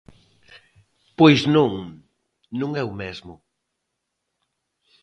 Pois non, non é o mesmo.